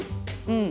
うん。